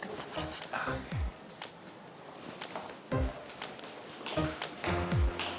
kenapa kenapa reid berubah